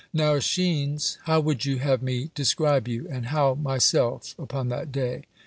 Now, ^schines, how would you have me de scribe you, and how myself, upon that day?